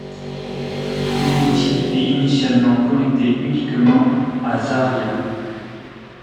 Unity est initialement connecté uniquement à Zarya.